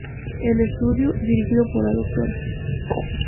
El estudio, dirigido por la Dra.